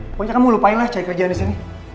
pokoknya kamu lupain lah cari kerjaannya di sini